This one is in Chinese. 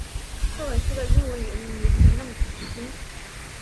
这本书的英文原名也没那么耸动